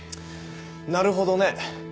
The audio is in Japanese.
なるほどね。